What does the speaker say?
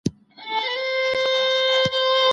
نجونو په پوهنتونونو کي لومړي مقامونه ګټلي وو.